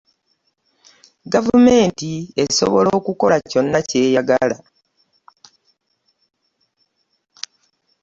Gavumenti esobola okukola kyonna ky'eyagala.